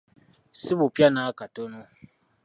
Sibupya n'akatono